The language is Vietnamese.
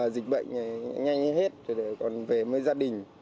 dịch bệnh này nhanh hết rồi còn về với gia đình